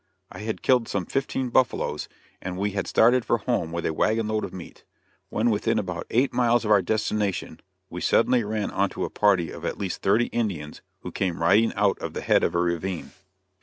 I had killed some fifteen buffaloes, and we had started for home with a wagon load of meat. When within about eight miles of our destination, we suddenly ran on to a party of at least thirty Indians who came riding out of the head of a ravine.